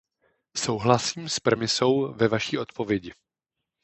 Souhlasím s premisou ve vaší odpovědi.